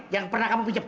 yang pernah kamu pinjem